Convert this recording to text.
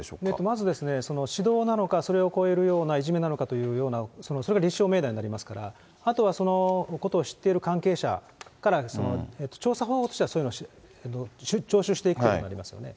まずですね、指導なのか、それを超えるようないじめなのかというような、それが立証命題になりますから、あとはそのことを知っている関係者から調査報告というのは、聴取していくというのはありますよね。